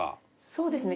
そうですね。